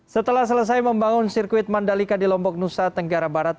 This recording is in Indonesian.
setelah selesai membangun sirkuit mandalika di lombok nusa tenggara barat